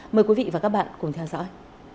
mời quý vị và các bạn cùng theo dõi